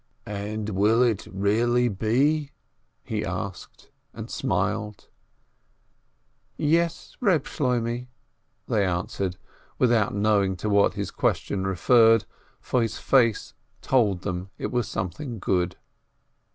"And will it really be?" he asked and smiled. "Yes, Eeb Shloinaeh," they answered, without know ing to what his question referred, for his face told them it was something good.